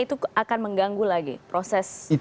itu akan mengganggu lagi proses